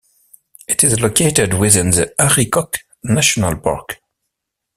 It is located within the Arikok National Park.